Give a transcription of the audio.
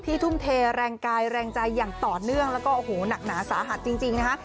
ทุ่มเทแรงกายแรงใจอย่างต่อเนื่องแล้วก็โอ้โหหนักหนาสาหัสจริงนะคะ